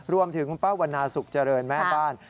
รวมถึงคุณป้าวันนาสุขจริงแม่บ้าน